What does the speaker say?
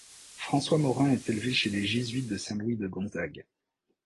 François Morin est élevé chez les Jésuites de Saint-Louis de Gonzague.